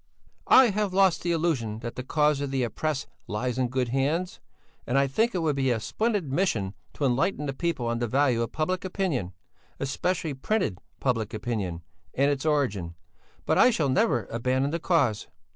"I have lost the illusion that the cause of the oppressed lies in good hands, and I think it would be a splendid mission to enlighten the people on the value of public opinion especially printed public opinion and its origin; but I shall never abandon the cause."